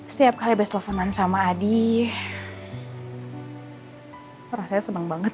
setiap kali base teleponan sama adi rasanya seneng banget